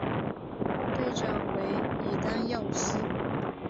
队长为伊丹耀司。